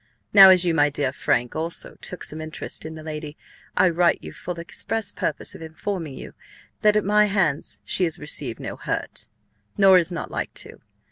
Now, as you, My dear Frank, also took some Interestt in the Lady, I write for the Express Purpose of informing You that at my Hands she has received no Hurt, nor is not like to.